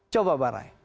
coba pak rai